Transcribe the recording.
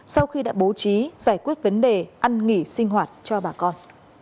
sau khi đã bố trí giải quyết vấn đề ăn nghỉ sinh hoạt cho bà con